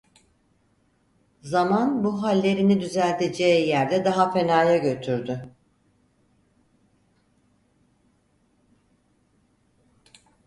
Zaman bu hallerini düzelteceği yerde daha fenaya götürdü.